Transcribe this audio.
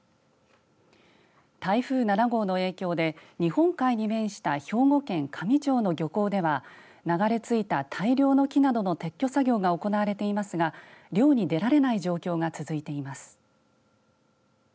台風７号の影響で日本海に面した兵庫県香美町の漁港では流れ着いた大量の木などの撤去作業が行われていますが漁に出られない状況が続いています。